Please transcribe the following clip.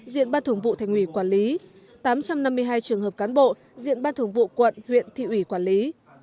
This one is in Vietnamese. diện ban thường vụ thành ủy quản lý tám trăm năm mươi hai trường hợp cán bộ diện ban thường vụ quận huyện thị ủy quản lý